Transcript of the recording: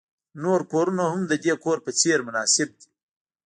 نور کورونه هم د دې کور په څیر مناسب دي